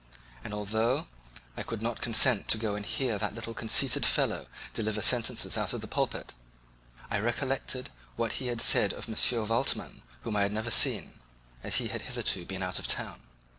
And although I could not consent to go and hear that little conceited fellow deliver sentences out of a pulpit, I recollected what he had said of M. Waldman, whom I had never seen, as he had hitherto been out of town.